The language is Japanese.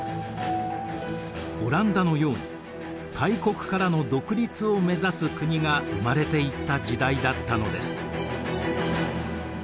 オランダのように大国からの独立を目指す国が生まれていった時代だったのです。